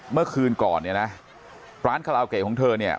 เมื่อคืนก่อนเนี่ยนะร้านคาราโอเกะของเธอเนี่ย